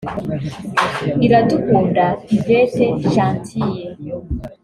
Iradukunda Hyvette Gentille